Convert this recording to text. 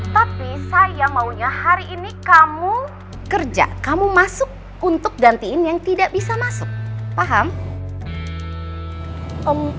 tapi saya maunya hari ini kamu kerja kamu masuk untuk gantiin yang tidak bisa masuk paham